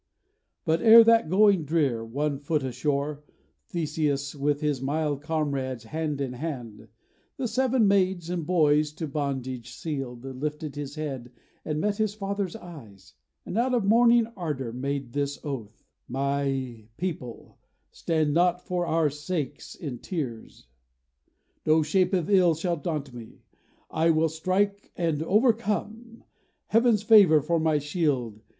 But ere that going drear, one foot ashore, Theseus with his mild comrades hand in hand, The seven maids and boys to bondage sealed, Lifted his head, and met his father's eyes, And out of morning ardor made this oath: 'My people, stand not for our sakes in tears! No shape of ill shall daunt me; I will strike And overcome, Heaven's favor for my shield.